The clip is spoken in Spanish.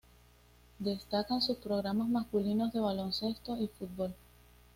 Destacan sus programas masculinos de baloncesto y fútbol.